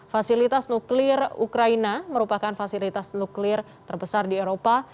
fasilitas nuklir ukraina merupakan fasilitas nuklir terbesar di eropa